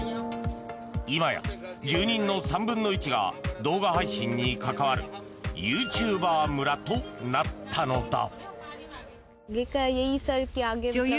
今や住人の３分の１が動画配信に関わるユーチューバー村となったのだ。